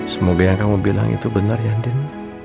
semoga yang kamu bilang itu benar ya den